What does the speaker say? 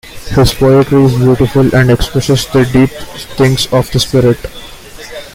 His poetry is beautiful and expresses the deep things of the Spirit.